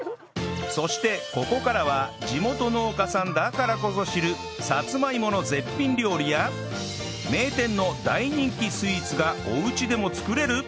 そしてここからは地元農家さんだからこそ知るさつまいもの絶品料理や名店の大人気スイーツがおうちでも作れる！？